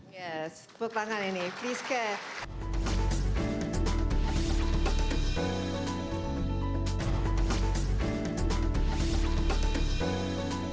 yes pepangan ini please care